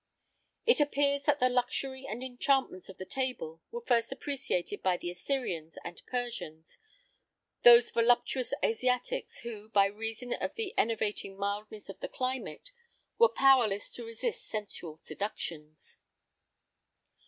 It appears that the luxury and enchantments of the table were first appreciated by the Assyrians and Persians, those voluptuous Asiatics, who, by reason of the enervating mildness of the climate, were powerless to resist sensual seductions.